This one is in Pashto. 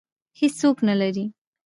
هېڅوک نه لري